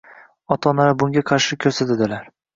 Ota-onalar bunga qarshilik ko‘rsatadilar